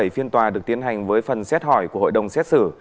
bảy phiên tòa được tiến hành với phần xét hỏi của hội đồng xét xử